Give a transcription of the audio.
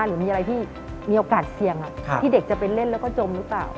หรือมีอะไรที่มีโอกาสเสี่ยงที่เด็กจะไปเล่นแล้วก็จมหรือเปล่า